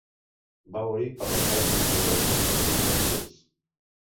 Va morir per l'atac d'un tauró mentre feia surf.